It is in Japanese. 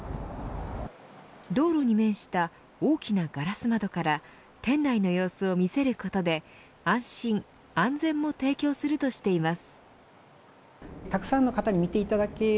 道路に面した大きなガラス窓から店内の様子を見せることで安心、安全も提供するとしています。